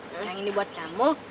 yang ini buat kamu